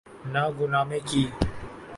نہ غلامی کی۔